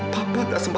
papa tak sembuh